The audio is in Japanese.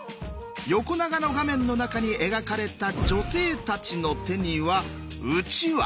横長の画面の中に描かれた女性たちの手にはうちわ。